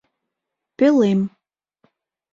«Пӧлем.